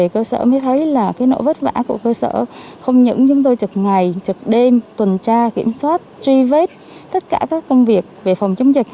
cơ sở mới thấy là nỗi vất vả của cơ sở không những chúng tôi trực ngày trực đêm tuần tra kiểm soát truy vết tất cả các công việc về phòng chống dịch